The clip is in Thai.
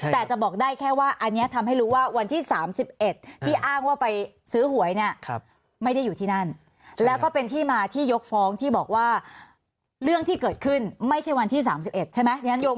แต่จะบอกได้แค่ว่าอันนี้ทำให้รู้ว่าวันที่๓๑ที่อ้างว่าไปซื้อหวยเนี่ยไม่ได้อยู่ที่นั่นแล้วก็เป็นที่มาที่ยกฟ้องที่บอกว่าเรื่องที่เกิดขึ้นไม่ใช่วันที่๓๑ใช่ไหม